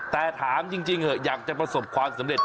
แต่ถามจริงเถอะอยากจะประสบความสำเร็จ